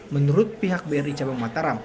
menurut pihak bri cabang mataram